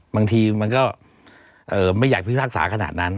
บางทีมันก็ไม่อยากพิพากษาขนาดนั้น